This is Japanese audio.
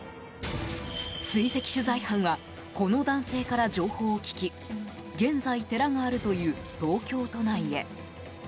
追跡取材班はこの男性から情報を聞き現在、寺があるという東京都内へ。